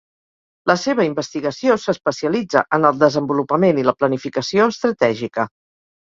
La seva investigació s'especialitza en el desenvolupament i la planificació estratègica.